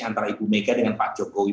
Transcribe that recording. antara ibu mega dengan pak jokowi